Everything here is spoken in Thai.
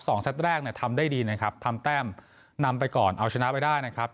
ซัดแรกเนี่ยทำได้ดีนะครับทำแต้มนำไปก่อนเอาชนะไปได้นะครับ